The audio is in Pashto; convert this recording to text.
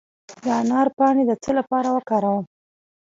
د انار پاڼې د څه لپاره وکاروم؟